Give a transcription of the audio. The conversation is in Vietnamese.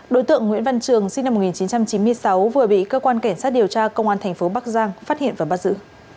đối tượng nguyễn văn trường sinh năm một nghìn chín trăm chín mươi sáu vừa bị cơ quan cảnh sát điều tra công an thành phố bắc giang phát hiện và bắt giữ